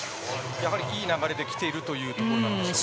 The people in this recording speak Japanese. やはりいい流れできているというところなのでしょうか。